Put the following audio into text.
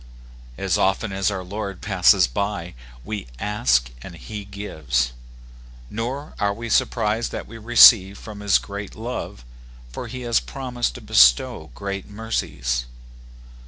As often as our Lord passes by, we ask and he gives ; nor are we surprised that we receive from his love; for he has promised to bestow great mercies.